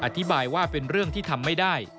อธิบายว่าเป็นเรื่องที่ทำไม่ได้